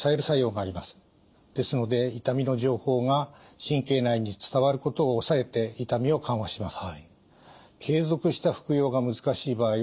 ですので痛みの情報が神経内に伝わることを抑えて痛みを緩和します。